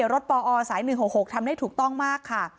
ปอสาย๑๖๖ทำได้ถูกต้องมากค่ะ